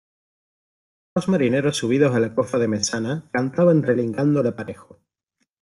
dos marineros subidos a la cofa de mesana, cantaban relingando el aparejo.